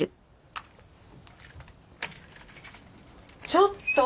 ちょっと！